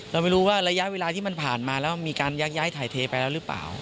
เราไม่รู้ว่าระยะเวลาที่มันผ่านมาแล้วมีการยักย้ายถ่ายเทไปแล้วหรือเปล่า